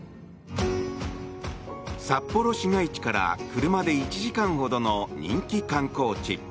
札幌市街地から車で１時間ほどの人気観光地